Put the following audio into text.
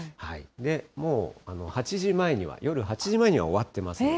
もう８時前には、夜８時前には終わってますね。